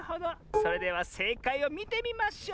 それではせいかいをみてみましょう！